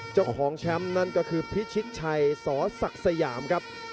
เจ้าของแชมป์นั่นก็คือพิชิตชัยสศักดิ์สยามครับ